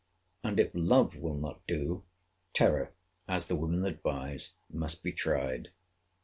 And if love will not do, terror, as the women advise, must be tried.